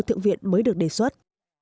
thượng viện mới được đề xuất